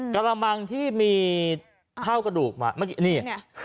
กรมังที่มีเท้ากระดูกมานี่